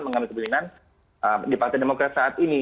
kekejuan kekejuanan di partai demokrat saat ini